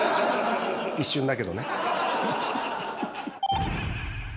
一瞬だけどね。